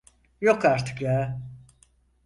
Yok artık ya!